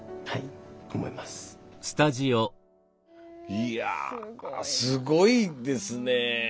いやぁすごいですねぇ。